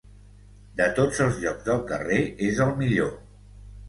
De tots els llocs del carrer, és el millor.